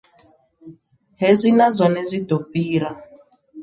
Hezwi na zwone zwi ḓo fhira.